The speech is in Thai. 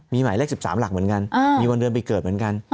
มีหมายเลข๑๓หลักเหมือนกันมีวันเดือนปีเกิดเหมือนกัน